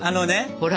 ほら。